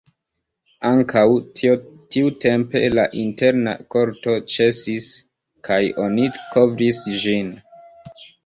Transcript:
Ankaŭ tiutempe la interna korto ĉesis kaj oni kovris ĝin.